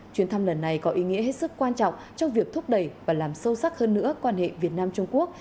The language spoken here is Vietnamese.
chuyến thăm lần này có ý nghĩa hết sức quan trọng trong việc thúc đẩy và làm sâu sắc hơn nữa quan hệ việt nam trung quốc